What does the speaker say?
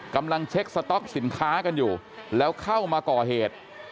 กำลังเช็คสต๊อกสินค้ากันอยู่แล้วเข้ามาก่อเหตุ